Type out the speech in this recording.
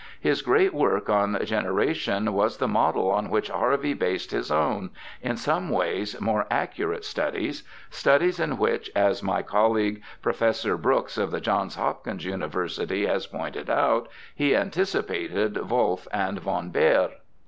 His great work on generation was the model on which Harvey based his HARVEY 307 own, in some ways more accurate, studies — studies in which, as my colleague Professor Brooks of the Johns Hopkins University has pointed out, he anticipated Wolf and von Baer.